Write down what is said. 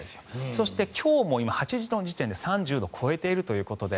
そして、今日も今、８時の時点で３０度を超えているということで。